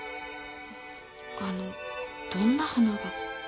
あのどんな花が？